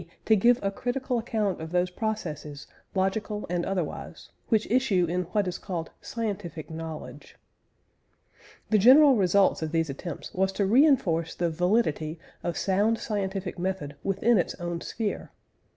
to give a critical account of those processes, logical and otherwise, which issue in what is called "scientific knowledge." The general results of these attempts was to re enforce the validity of sound scientific method within its own sphere.